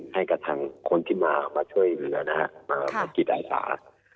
ให้กระทั่งคนที่มามาช่วยเรื่องนั้นนะครับมากิจอาศาสตร์